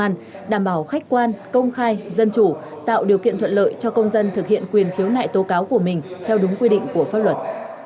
đảm bảo khách quan công khai dân chủ tạo điều kiện thuận lợi cho công dân thực hiện quyền khiếu nại tố cáo của mình theo đúng quy định của pháp luật